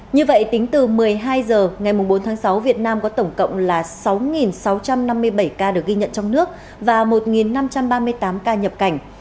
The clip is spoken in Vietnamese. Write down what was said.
như vậy tính từ một mươi hai h ngày bốn tháng sáu việt nam có tổng cộng là sáu sáu trăm năm mươi bảy ca được ghi nhận trong nước và một năm trăm ba mươi tám ca nhập cảnh